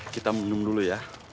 kita menunggu dulu ya